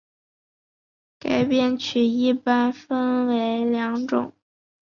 改编曲一般分为两种。